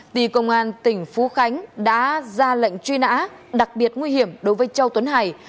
thì công an tỉnh phú khánh đã ra lệnh truy nã đặc biệt nguy hiểm đối với châu tuấn hải